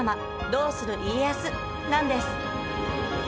「どうする家康」なんです！